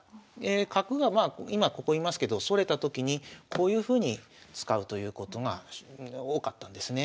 角がまあ今ここ居ますけどそれたときにこういうふうに使うということが多かったんですね。